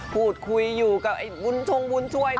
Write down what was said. พูดคุยอยู่กับชงบุญช่วย